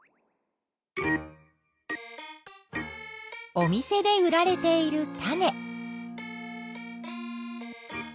お店で売られている種。